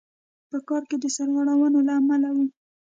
په کار کې د سرغړونو له امله وو.